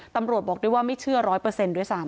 ตำรวจบอกด้วยว่าไม่เชื่อร้อยเปอร์เซ็นต์ด้วยซ้ำ